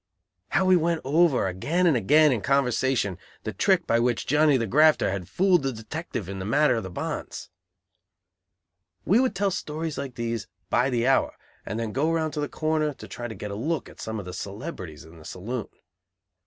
How we went over again and again in conversation, the trick by which Johnny the "grafter" had fooled the detective in the matter of the bonds! We would tell stories like these by the hour, and then go round to the corner, to try to get a look at some of the celebrities in the saloon.